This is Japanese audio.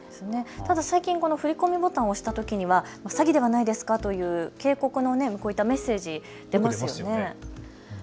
ただ最近、振り込みボタンを押したときに詐欺ではないですかという警告のメッセージも出ますよね。